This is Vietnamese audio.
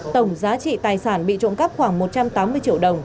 tổng giá trị tài sản bị trộm cắp khoảng một trăm tám mươi triệu đồng